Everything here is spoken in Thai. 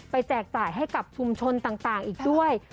แจกจ่ายให้กับชุมชนต่างอีกด้วย